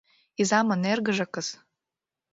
Изамын эргыжакыс.